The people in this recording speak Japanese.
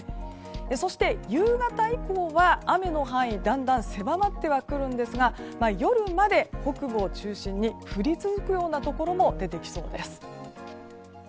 そして、夕方以降は雨の範囲だんだん狭まってはくるんですが夜まで北部を中心に降り続くようなところも出てきそうです。